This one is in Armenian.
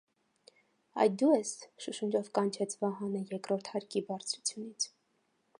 այդ դու ե՞ս,- շշունջով կանչեց Վահանը երկրորդ հարկի բարձրությունից: